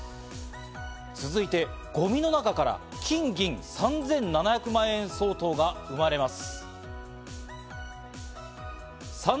続いて、ゴミの中から金銀３７００万円相当が生まれます。